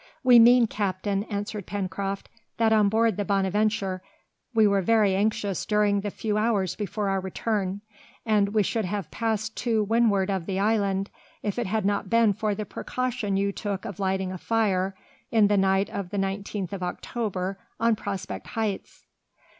"We mean, captain," answered Pencroft, "that on board the Bonadventure we were very anxious during the few hours before our return, and we should have passed to windward of the island, if it had not been for the precaution you took of lighting a fire in the night of the 19th of October, on Prospect Heights."